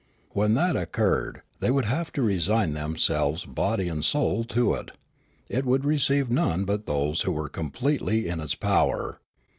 When that oc curred they would have to resign themselves body and soul to it ; it would receive none but those who were completely in its power.